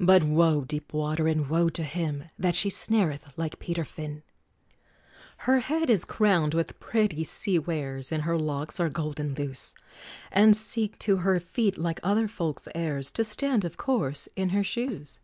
But woe, deep water and woe to him, That she snareth like Peter Fin! Her head is crowned with pretty sea wares, And her locks are golden loose, And seek to her feet, like other folks' heirs, To stand, of course, in her shoes!